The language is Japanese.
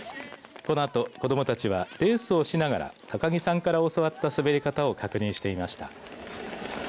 このあと、子どもたちはレースをしながら高木さんから教わった滑り方を確認していました。